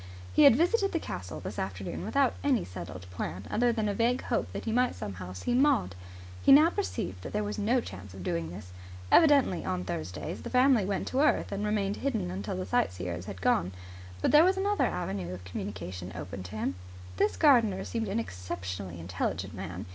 He had visited the castle this afternoon without any settled plan other than a vague hope that he might somehow see Maud. He now perceived that there was no chance of doing this. Evidently, on Thursdays, the family went to earth and remained hidden until the sightseers had gone. But there was another avenue of communication open to him. This gardener seemed an exceptionally intelligent man.